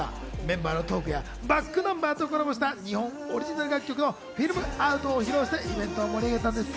メンバーのトークやｂａｃｋｎｕｍｂｅｒとコラボした日本オリジナル楽曲の『Ｆｉｌｍｏｕｔ』を披露してイベントを盛り上げたんです。